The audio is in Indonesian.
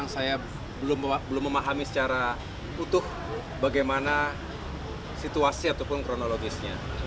saya belum memahami secara utuh bagaimana situasi ataupun kronologisnya